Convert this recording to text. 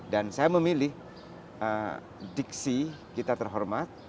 dan saya memilih diksi kita terhormat